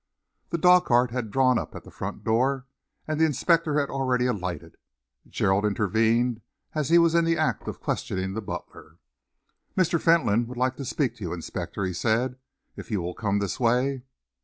The dog cart had drawn up at the front door, and the inspector had already alighted. Gerald intervened as he was in the act of questioning the butler. "Mr. Fentolin would like to speak to you, inspector," he said, "if you will come this way."